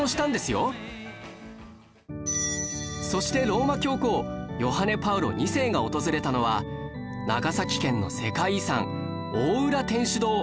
そしてローマ教皇ヨハネ・パウロ２世が訪れたのは長崎県の世界遺産大浦天主堂